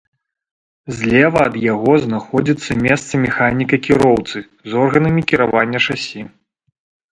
Злева ад яго знаходзіцца месца механіка-кіроўцы з органамі кіравання шасі.